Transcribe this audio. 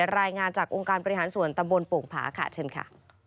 รายงานจากองค์การบริหารส่วนตำบลโป่งผาค่ะเชิญค่ะ